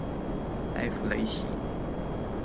埃夫雷西。